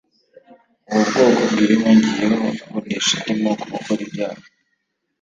ubu bwoko bwihugiyeho bunisha andi moko gukora ibyaha.